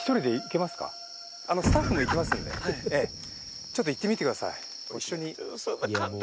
スタッフも行きますのでちょっと行ってみてください。